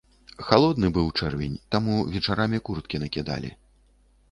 Халодны быў чэрвень, таму вечарамі курткі накідалі.